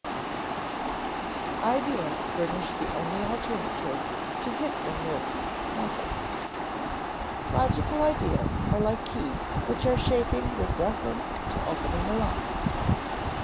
[Sidenote: Ideas furnish the only alternative to "hit or miss" methods] Logical ideas are like keys which are shaping with reference to opening a lock.